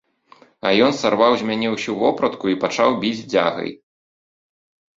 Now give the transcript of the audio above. А ён сарваў з мяне ўсю вопратку і пачаў біць дзягай.